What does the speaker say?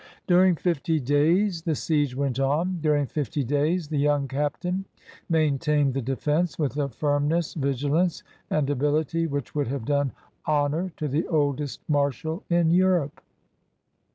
During fifty days the siege went on. During fifty days the young captain maintained the defense, with a firmness, vigilance, and ability which would have done honor to the oldest marshal in Europe.